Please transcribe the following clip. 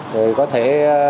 rồi có thể